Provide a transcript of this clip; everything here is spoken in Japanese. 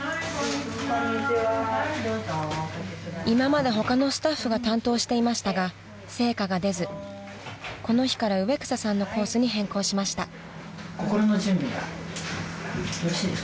［今まで他のスタッフが担当していましたが成果が出ずこの日から植草さんのコースに変更しました］